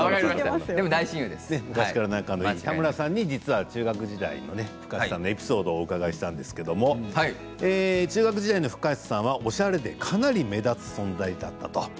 田村さんに中学時代のＦｕｋａｓｅさんのエピソードをお伺いしたんですけど中学時代のＦｕｋａｓｅさんはおしゃれでかなり目立つ存在だったと。